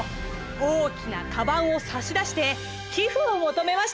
大きなかばんを差し出して寄付を求めました。